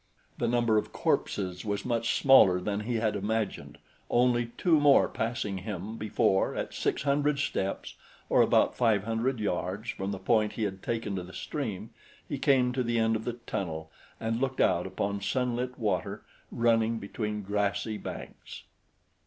The number of corpses was much smaller than he had imagined, only two more passing him before, at six hundred steps, or about five hundred yards, from the point he had taken to the stream, he came to the end of the tunnel and looked out upon sunlit water, running between grassy banks.